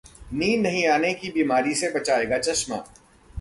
नींद नहीं आने की बीमारी से बचाएगा चश्मा